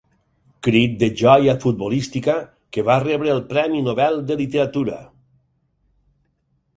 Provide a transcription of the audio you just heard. Crit de joia futbolística que va rebre el premi Nobel de literatura.